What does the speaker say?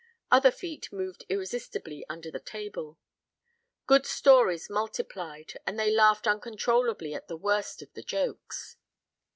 Other feet moved irresistibly under the table. Good stories multiplied, and they laughed uncontrollably at the worst of the jokes.